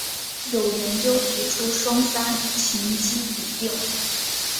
有研究提出双三嗪基吡啶。